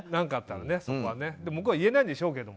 言えないでしょうけど。